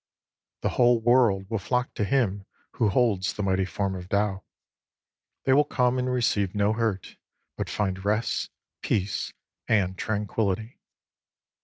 The whole world will flock to him who holds the mighty form of Tao. They will come and receive no hurt, but find rest, peace, and tranquillity.